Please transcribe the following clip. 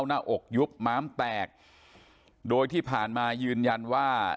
หน้าอกยุบม้ามแตกโดยที่ผ่านมายืนยันว่า